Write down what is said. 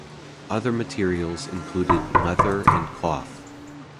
Other materials included leather and cloth.